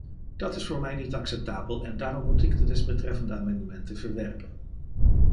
Dat is voor mij niet acceptabel, en daarom moet ik de desbetreffende amendementen verwerpen.